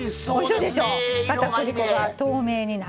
かたくり粉が透明になって。